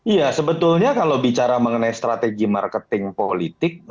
iya sebetulnya kalau bicara mengenai strategi marketing politik